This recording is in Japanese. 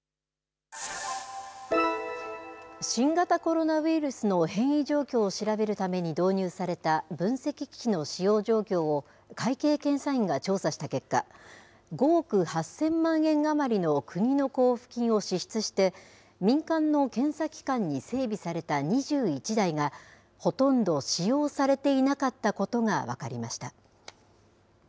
新型コロナウイルスの変異状況を調べるために導入された分析機器の使用状況を、会計検査院が調査した結果、５億８０００万円余りの国の交付金を支出して、民間の検査機関に整備された２１台が、ほとんど使用されていなかったことが分かりました。